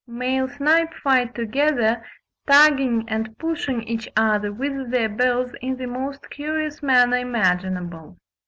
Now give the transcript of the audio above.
Male snipe fight together, "tugging and pushing each other with their bills in the most curious manner imaginable."